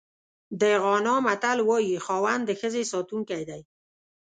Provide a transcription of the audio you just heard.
د غانا متل وایي خاوند د ښځې ساتونکی دی.